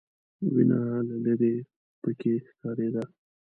وینه له ليرې پکې ښکارېده.